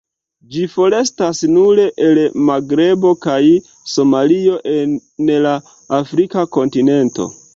Ĝi forestas nur el Magrebo kaj Somalio en la afrika kontinento.